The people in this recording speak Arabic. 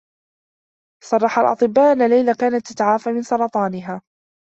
صرّح الأطبّاء أنّ ليلى كانت تتعافى من سرطانها.